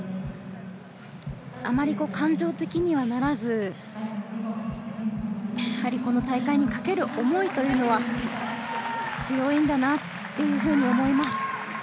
あまり感情的にならず、やはりこの大会にかける思いというのは強いんだなというふうに思います。